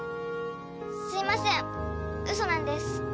すいませんウソなんです。